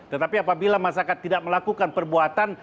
tetapi apabila masyarakat tidak melakukan perbuatan